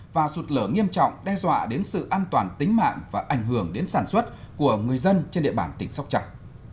và sụt lở nghiêm trọng đe dọa đến sự an toàn tính mạng và ảnh hưởng đến sản xuất của người dân trên địa bàn tỉnh sóc trăng